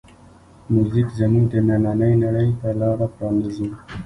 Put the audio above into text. موزیک زمونږ دنننۍ نړۍ ته لاره پرانیزي.